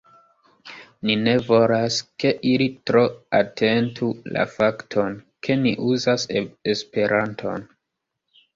Ni ne volas, ke ili tro atentu la fakton, ke ni uzas Esperanton